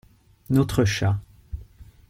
Notre chat.